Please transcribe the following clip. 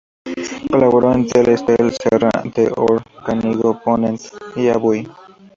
Colaboró en "Tele-Estel", "Serra d'Or", "Canigó", "Ponent" y "Avui".